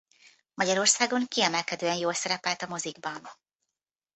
Magyarországon kiemelkedően jól szerepelt a mozikban.